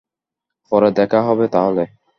পরে দেখা হবে তাহলে।